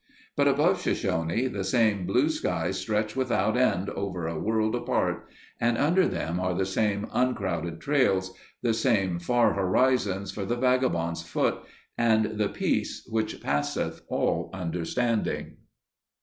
But above Shoshone the same blue skies stretch without end over a world apart, and under them are the same uncrowded trails; the same far horizons for the vagabond's foot and the peace "which passeth all understanding."